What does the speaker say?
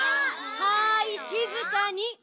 はいしずかに。